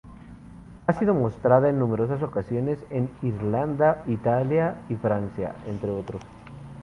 Ha sido mostrada en numerosas ocasiones en Irlanda, Italia y Francia, entre otros.